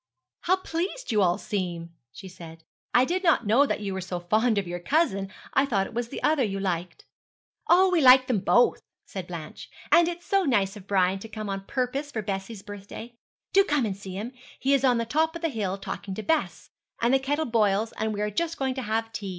'How pleased you all seem!' she said. 'I did not know you were so fond of your cousin. I thought it was the other you liked.' 'Oh, we like them both,' said Blanche, 'and it is so nice of Brian to come on purpose for Bessie's birthday. Do come and see him. He is on the top of the hill talking to Bess; and the kettle boils, and we are just going to have tea.